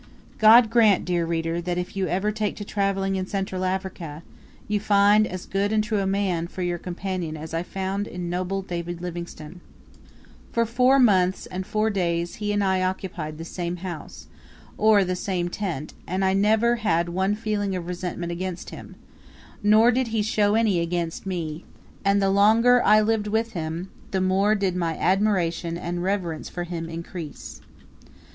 God grant, dear reader, that if ever you take to travelling in Central Africa, you find as good and true a man, for your companion, as I found in noble David Livingstone. For four months and four days he and I occupied the same house, or, the same tent, and I never had one feeling of resentment against him, nor did he show any against me, and the longer I lived with him the more did my admiration and reverence for him increase.